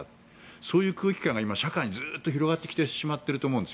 そういう空気感が今、社会にずっと広がってきてしまっていると思うんです。